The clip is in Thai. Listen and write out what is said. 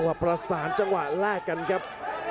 อันนี้พยายามจะเน้นข้างซ้ายนะครับ